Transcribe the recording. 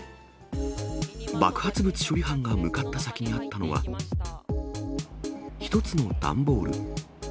爆発物処理班が向かった先にあったのは、１つの段ボール。